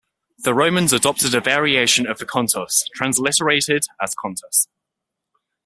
The Romans adopted a variation of the "kontos" transliterated as contus.